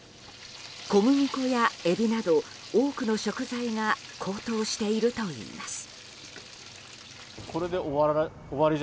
小麦粉やエビなど多くの食材が高騰しているといいます。